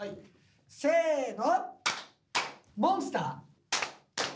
せの。